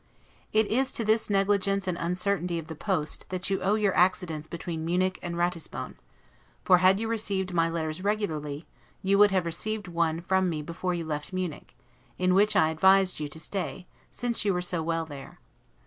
It is to this negligence and uncertainty of the post, that you owe your accidents between Munich and Ratisbon: for, had you received my letters regularly, you would have received one from me before you left Munich, in which I advised you to stay, since you were so well there.